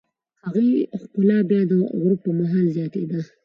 د هغې ښکلا بیا د غروب پر مهال زیاتېده.